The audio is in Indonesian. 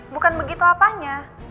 bukan begitu apanya